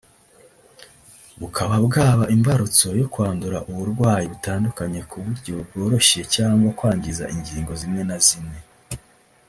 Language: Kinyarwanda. bukaba bwaba imbarutso yo kwandura uburwayi butandukanye ku buryo bworoshye cyangwa kwangiza ingingo zimwe na zimwe